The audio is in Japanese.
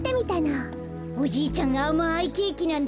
おじいちゃんあまいケーキなんだよ。